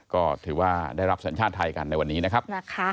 ก็ถือว่าได้รับสัญชาติไทยกันในวันนี้นะครับ